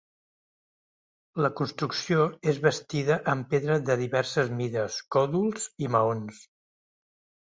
La construcció és bastida amb pedra de diverses mides, còdols i maons.